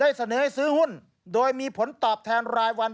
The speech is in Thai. เสนอให้ซื้อหุ้นโดยมีผลตอบแทนรายวัน